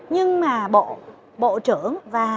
nhưng mà bộ trưởng và